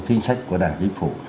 tin sách của đảng chính phủ